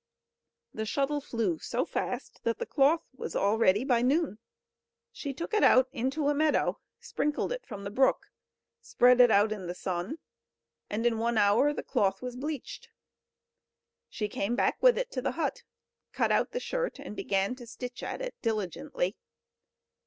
The shuttle flew so fast that the cloth was all ready by noon. She took it out into a meadow, sprinkled it from the brook, spread it out in the sun, and in one hour the cloth was bleached. She came back with it to the hut, cut out the shirt, and began to stitch at it diligently.